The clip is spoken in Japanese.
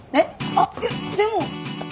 あっいやでも。